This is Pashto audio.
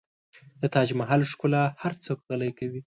د تاج محل ښکلا هر څوک غلی کوي.